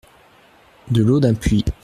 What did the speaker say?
De l’eau d’un puits.